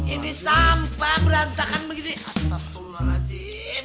ini sampah berantakan begini astagfirullahaladzim